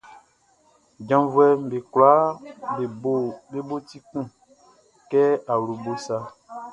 Janvuɛʼm be kwlaa be bo ti kun kɛ awlobo sa.